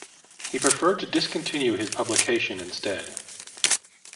He preferred to discontinue his publication instead.